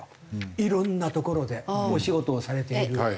いろんなところでお仕事をされている中高年。